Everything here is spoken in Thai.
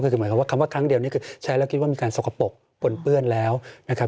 คือหมายความว่าคำว่าครั้งเดียวนี่คือใช้แล้วคิดว่ามีการสกปรกปนเปื้อนแล้วนะครับ